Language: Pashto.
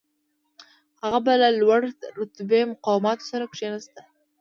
هغه به له لوړ رتبه مقاماتو سره کښېناسته.